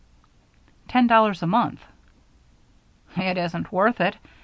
"Ten dollars a month." "It isn't worth it.